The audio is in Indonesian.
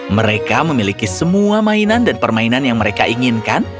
mereka memiliki semua mainan dan permainan yang mereka inginkan